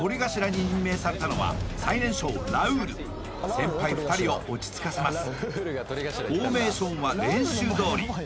先輩２人を落ち着かせます